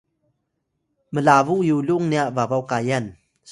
Maray: mlabuw yulung nya babaw kayan